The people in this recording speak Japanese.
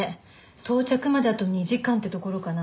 到着まであと２時間ってところかな。